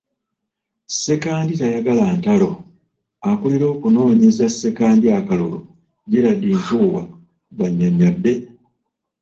"Ssekandi tayagala ntalo," Akulira okunoonyeza Ssekandi akalulu, Gerald Ntuuwa bw'anynonnyodde.